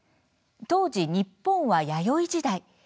当時、日本は弥生時代。